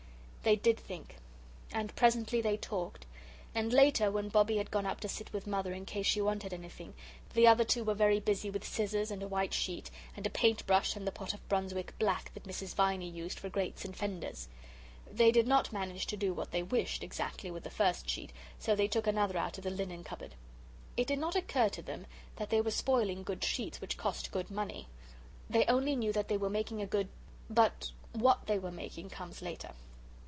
They did think. And presently they talked. And later, when Bobbie had gone up to sit with Mother in case she wanted anything, the other two were very busy with scissors and a white sheet, and a paint brush, and the pot of Brunswick black that Mrs. Viney used for grates and fenders. They did not manage to do what they wished, exactly, with the first sheet, so they took another out of the linen cupboard. It did not occur to them that they were spoiling good sheets which cost good money. They only knew that they were making a good but what they were making comes later.